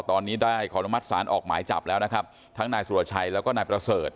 ตอนนี้ได้ขออนุมัติศาลออกหมายจับแล้วนะครับทั้งนายสุรชัยแล้วก็นายประเสริฐ